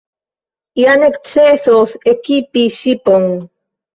Ja necesos ekipi ŝipon.